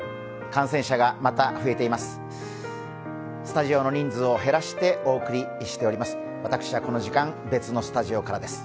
感染者が、また増えています。